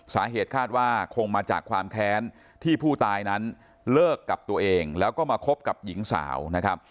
สาเหตุคาดว่าคงมาจากความแค้นที่ผู้ตายนั้นเลิกกับตัวเองแล้วก็มาคบกับหญิงสาวนะครับ